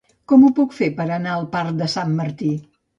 Com ho puc fer per anar al parc de Sant Martí?